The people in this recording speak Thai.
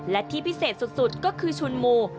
และที่พิเศษสุดก็คือชุนมู